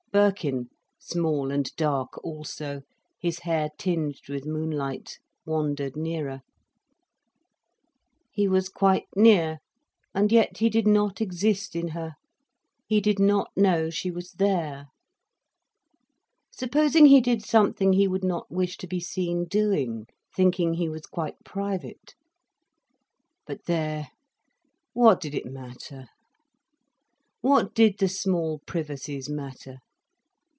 Birkin, small and dark also, his hair tinged with moonlight, wandered nearer. He was quite near, and yet he did not exist in her. He did not know she was there. Supposing he did something he would not wish to be seen doing, thinking he was quite private? But there, what did it matter? What did the small privacies matter?